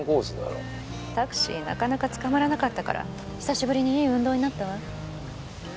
タクシーなかなか捕まらなかったから久しぶりにいい運動になったわ。